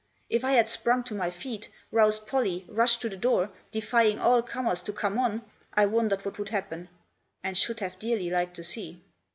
If I had sprung to my feet, roused Pollie, rushed to the door, defying all comers to come on, I wondered what would happen ; and should have dearly liked to see.